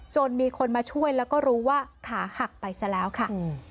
มีคนมาช่วยแล้วก็รู้ว่าขาหักไปซะแล้วค่ะ